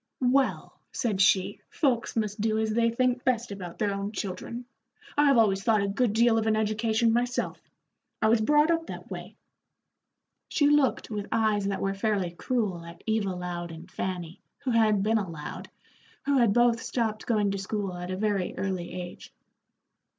"Well," said she, "folks must do as they think best about their own children. I have always thought a good deal of an education myself. I was brought up that way." She looked with eyes that were fairly cruel at Eva Loud and Fanny, who had been a Loud, who had both stopped going to school at a very early age.